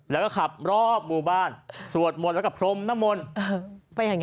แล้วก็ขับรอบหมู่บ้านสวดมนต์แล้วก็พรมน้ำมนต์